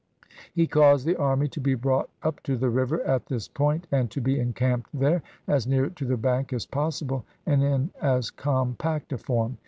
He caused the army to be brought up to the river at this point, and to be encamped there, as near to the bank as possible, and in as compact a form.